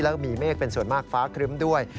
แล้วก็มีเมฆเป็นส่วนมากฟ้าครึ้มด้วย